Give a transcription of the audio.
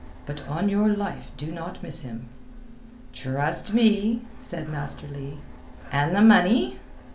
But on your life do not miss him." "Trust me," said Master Leigh. "And the money?"